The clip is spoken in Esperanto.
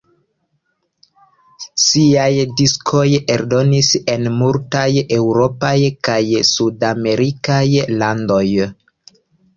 Siaj diskoj eldonis en multaj eŭropaj kaj sudamerikaj landoj.